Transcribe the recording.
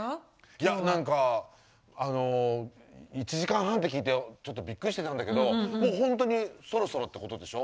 いや何かあの１時間半って聞いてちょっとびっくりしてたんだけどもうそろそろってことでしょ？